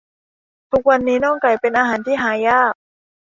ทุกวันนี้น่องไก่เป็นอาหารที่หายาก